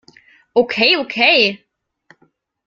Okay, okay!